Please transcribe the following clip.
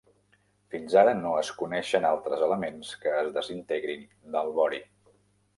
Fins ara, no es coneixen altres elements que es desintegrin del bohri.